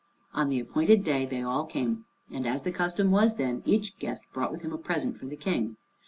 On the appointed day they all came, and as the custom was then, each guest brought with him a present for the King.